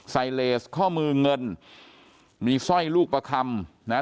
ไซเลสข้อมือเงินมีสร้อยลูกประคำนะฮะ